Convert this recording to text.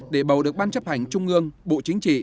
để bầu được ban chấp hành trung ương bộ chính trị